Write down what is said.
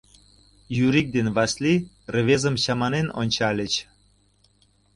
Юрик ден Васлий рвезым чаманен ончальыч.